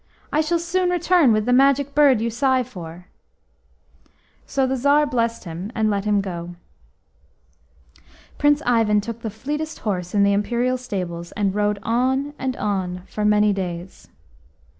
"I shall soon return with the Magic Bird you sigh for." So the Tsar blessed him, and let him go. Prince Ivan took the fleetest horse in the Imperial stables, and rode on and on for many days.